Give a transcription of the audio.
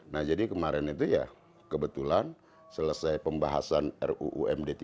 nah jadi kemarin itu ya kebetulan selesai pembahasan ruu md tiga